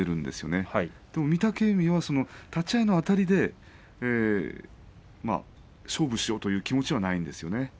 でも御嶽海は立ち合いのあたりで勝負しようという気持ちはないんですよね。